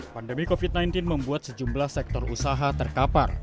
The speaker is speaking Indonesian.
pandemi covid sembilan belas membuat sejumlah sektor usaha terkapar